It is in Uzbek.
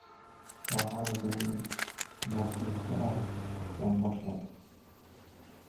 Daho o‘zini mastlikka olib yonboshladi.